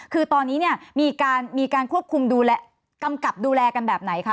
คือตอนนี้เนี่ยมีการควบคุมดูแลกำกับดูแลกันแบบไหนคะ